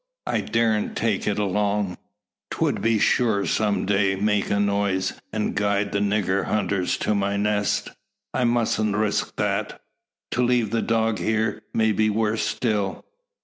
"I daren't take it along. 'Twould be sure some day make a noise, and guide the nigger hunters to my nest I mustn't risk that. To leave the dog here may be worse still.